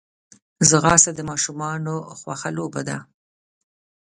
ځغاسته د ماشومانو خوښه لوبه ده